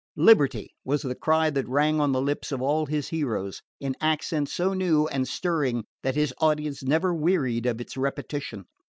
"Liberty" was the cry that rang on the lips of all his heroes, in accents so new and stirring that his audience never wearied of its repetition.